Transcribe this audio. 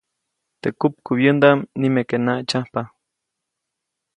Teʼ kupkubyändaʼm nimeke naʼtsyajpa.